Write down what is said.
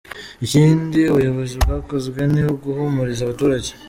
Ikindi ubuyobozi bwakozwe ni uguhumuriza abaturage.